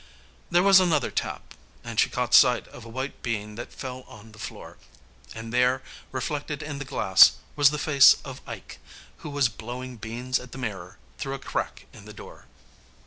There was another tap, and she caught sight of a white bean that fell on the floor; and there, reflected in the glass, was the face of Ike, who was blowing beans at the mirror through a crack in the door.